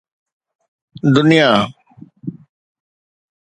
دنيا